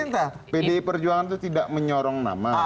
pdi perjuangan itu tidak menyorong nama